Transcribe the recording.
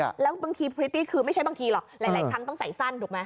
แล้วบางทีพริตตี้คือไม่ใช่บางทีหรอกหลายครั้งต้องใส่สั้นถูกไหม